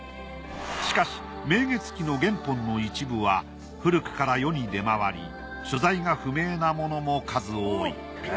しかし『明月記』の原本の一部は古くから世に出回り所在が不明なものも数多い。